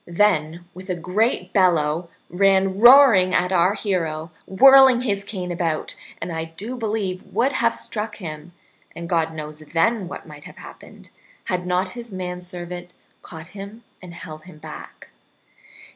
Then, with a great bellow, ran roaring at our hero, whirling his cane about, and I do believe would have struck him (and God knows then what might have happened) had not his manservant caught him and held him back.